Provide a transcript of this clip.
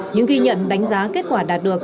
những ghi nhận đánh giá kết quả đạt được